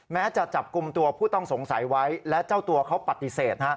แม้จะจับกลุ่มตัวผู้ต้องสงสัยไว้และเจ้าตัวเขาปฏิเสธ